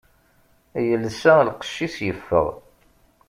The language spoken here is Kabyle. Yelsa lqecc-is, yeffeɣ.